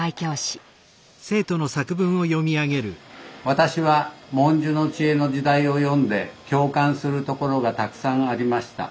「私は『“文殊の知恵”の時代』を読んで共感するところがたくさんありました」。